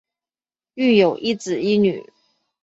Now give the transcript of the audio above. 育有一子一女。